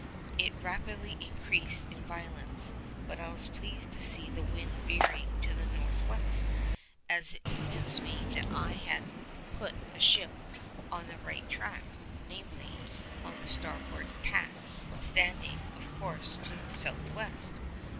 It rapidly increased in violence; but I was pleased to see the wind veering to the north west, as it convinced me that I had put the ship on the right track—namely, on the starboard tack, standing, of course, to the south west.